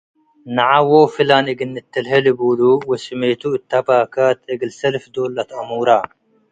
“ነዐ ዎ ፍላን እግል ንተልሄ! ልቡሉ ወስሜቱ እተ ባካት እግል ሰልፍ ዶል ለአትአሙረ ።